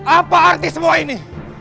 apa arti semua ini